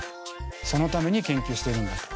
そのために研究してるんだと。